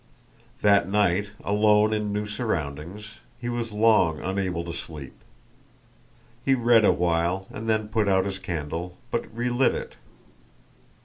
That night, alone in new surroundings, he was long unable to sleep. He read awhile and then put out his candle, but relit it.